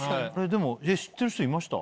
でも知ってる人いました？